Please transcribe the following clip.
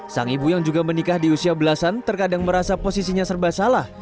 sang ibu yang juga menikah di usia belasan terkadang merasa posisinya serba salah